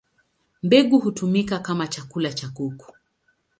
Mbegu hutumika kama chakula cha kuku.